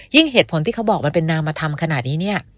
ยิ่งเหตุผลที่เขาบอกมันเป็นนามมาทำขนาดนี้